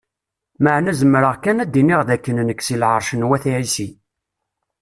Meεna zemreɣ kan ad d-iniɣ d akken nekk si Lεerc n Wat Ɛisi.